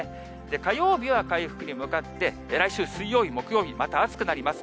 火曜日は回復に向かって、来週水曜日、木曜日、また暑くなります。